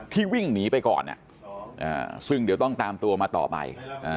วิ่งหนีไปก่อนซึ่งเดี๋ยวต้องตามตัวมาต่อไป